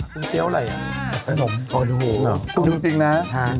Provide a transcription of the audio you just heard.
คุณจริงนะ